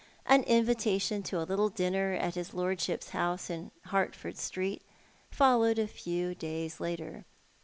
An invitation to a little dinner at In's lordship's house in Hertford Street followed a few days later.